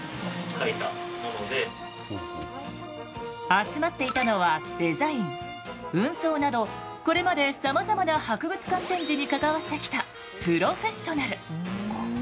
集まっていたのはデザイン運送などこれまでさまざまな博物館展示に関わってきたプロフェッショナル。